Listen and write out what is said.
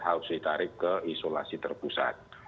harus ditarik ke isolasi terpusat